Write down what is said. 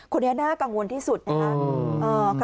คนนี้น่ากังวลที่สุดนะครับ